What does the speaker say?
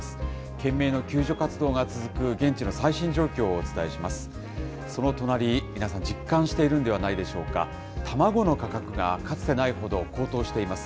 懸命の救助活動が続く現地の最新状況をお伝えします。